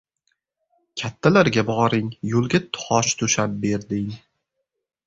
— Kattalarga boring, yo‘lga tosh to‘shab ber, deng.